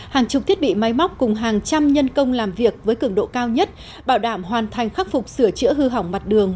hàng chục thiết bị máy móc cùng hàng trăm nhân công làm việc với cường độ cao nhất bảo đảm hoàn thành khắc phục sửa chữa hư hỏng mặt đường